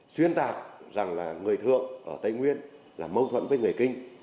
xuyên tạc rằng là người thượng ở tây nguyên là mâu thuẫn với người kinh